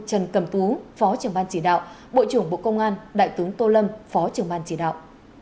trần cẩm tú phó trưởng ban chỉ đạo bộ trưởng bộ công an đại tướng tô lâm phó trưởng ban chỉ đạo